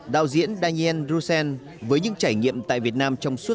đạo diễn daniel roussen với những trải nghiệm tại việt nam trong suốt sáu năm